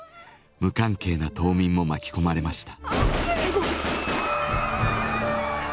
無関係な島民も巻き込まれました。